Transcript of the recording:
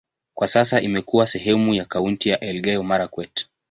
Kwa sasa imekuwa sehemu ya kaunti ya Elgeyo-Marakwet.